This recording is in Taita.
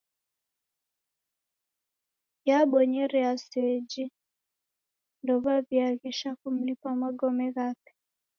Yabonyeria seji ndowaw'iaghesha kumlipa magome ghape.